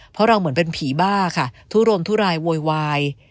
เพราะเราเหมือนเป็นผีบ้าค่ะทุรนทุรายโวยวาย